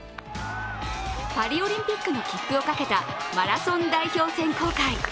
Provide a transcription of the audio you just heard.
パリオリンピックの切符をかけたマラソン代表選考会。